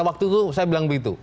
waktu itu saya bilang begitu